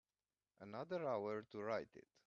Another hour to write it.